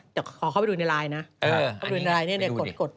แต่ขอเข้าไปดูในไลน์นะนี่กดเอออันนี้ไปดูดิ